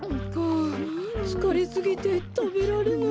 あつかれすぎてたべられない。